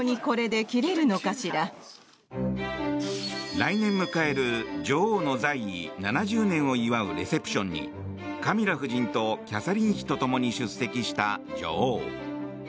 来年迎える女王の在位７０年を祝うレセプションにカミラ夫人とキャサリン妃と共に出席した女王。